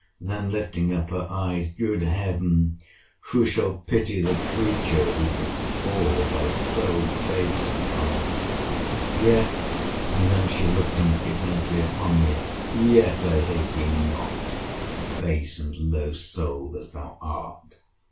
Then lifting up her eyes—Good Heaven! who shall pity the creature who could fall by so base a mind!—Yet—[and then she looked indignantly upon me!] yet, I hate thee not (base and low souled as thou art!)